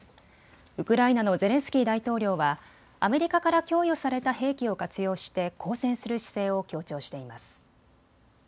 ウクライナのゼレンスキー大統領はアメリカから供与された兵器を活用して抗戦する姿勢を強調しています。